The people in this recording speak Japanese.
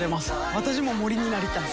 私も森になりたい。